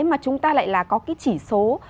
mà chúng ta lại là có cái chỉ số